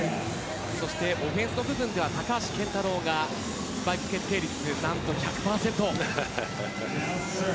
そしてオフェンスの部分では高橋健太郎がスパイク決定率、何と１００％。